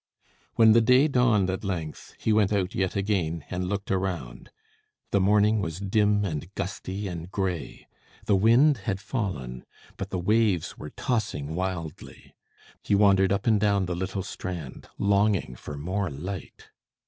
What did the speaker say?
When the day dawned at length, he went out yet again, and looked around. The morning was dim and gusty and gray. The wind had fallen, but the waves were tossing wildly. He wandered up and down the little strand, longing for more light.